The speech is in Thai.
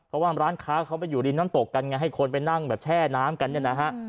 เพราะว่าร้านค้าเขาไปอยู่ริมน้ำตกกันไงให้คนไปนั่งแบบแช่น้ำกันเนี่ยนะฮะ